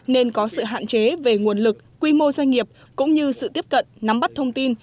nên có sự hạn chế về nguồn lực quy mô doanh nghiệp cũng như sự tiếp cận nắm bắt thông tin